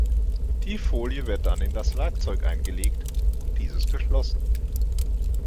Die Folie wird dann in das Werkzeug eingelegt und dieses geschlossen.